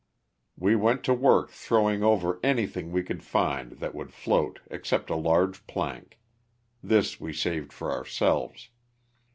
We went to work throwing over anything we could find that would float excepting a large plank. This we saved for ourselves.